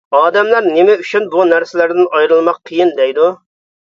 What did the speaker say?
ئادەملەر نېمە ئۈچۈن بۇ نەرسىلەردىن ئايرىلماق قىيىن؟ دەيدۇ.